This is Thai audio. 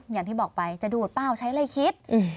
อย่างที่บอกไปจะดูดเปล่าใช้อะไรคิด